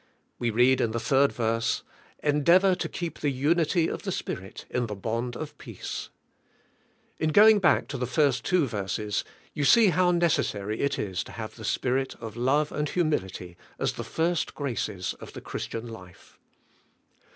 We read in the third verse, "En deavor to keep the unity of the Spirit in the bond of peace." In going back to the first two verses, you see how necessary it is to have the Spirit of love and humility as the first graces of the Christ ian life.